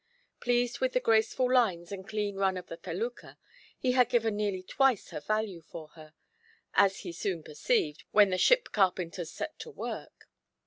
Pleased with the graceful lines and clean run of the felucca, he had given nearly twice her value for her; as he soon perceived when the ship carpenters set to work.